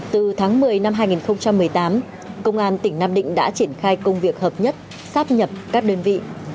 từ tháng một mươi năm hai nghìn một mươi tám công an tỉnh nam định đã triển khai công việc hợp nhất sáp nhập các đơn vị